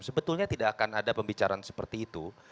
sebetulnya tidak akan ada pembicaraan seperti itu